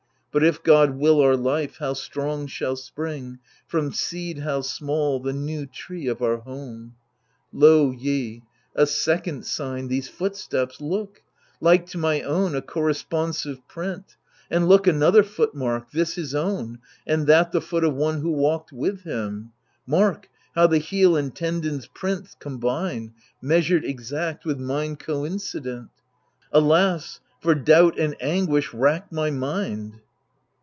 But, if God will our life, how strong shall spring, From seed how small, the new tree of our home !— Lo ye, a second sign — these footsteps, look, — Like to my own, a corresponsive print ; And look, another footmark, — this his own. And that the foot of one who walked with him. Mark, how the heel and tendons' print combine. Measured exact, with mine coincident 1 Alas, for doubt and anguish rack my mind.